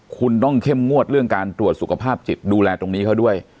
คุณต้องเข้มงวดเรื่องการตรวจสุขภาพจิตดูแลตรงนี้เขาด้วย